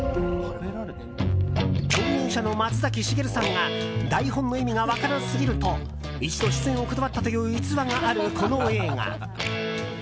共演者の松崎しげるさんが台本の意味が分からなすぎると一度出演を断ったという逸話があるこの映画。